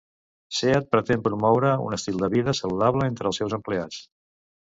Seat pretén promoure un estil de vida saludable entre els seus empleats.